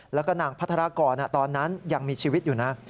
แล้วก็นางพัฒนากรตอนนั้นยังมีชีวิตอยู่นะ